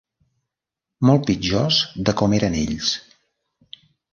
Molt pitjors de com eren ells!